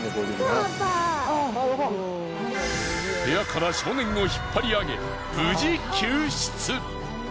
部屋から少年を引っ張りあげ無事救出。